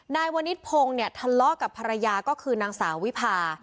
นายวนิทพงศ์เนี่ยทะเลาะกับภรรยาก็คือนางสาววิพา